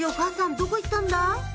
どこ行ったんだ？